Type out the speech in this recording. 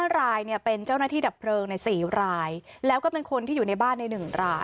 ๕รายเป็นเจ้าหน้าที่ดับเพลิงใน๔รายแล้วก็เป็นคนที่อยู่ในบ้านใน๑ราย